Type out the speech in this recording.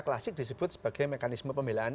klasik disebut sebagai mekanisme pembelaan